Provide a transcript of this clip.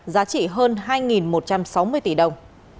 giá trị hơn hai một trăm sáu mươi tỷ đồng